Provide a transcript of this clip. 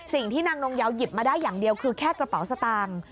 สิ่งที่นางนงยาวหยิบมาได้อย่างเดียวคือแค่กระเป๋าสตางค์